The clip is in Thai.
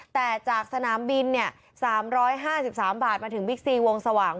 แต่จากสนามบิน๓๕๓บาทมาถึงบิ๊กซีวงสว่าง